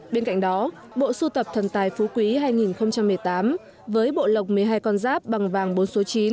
bên cạnh đó bộ sưu tập thần tài phú quý hai nghìn một mươi tám với bộ lọc một mươi hai con giáp bằng vàng bốn số chín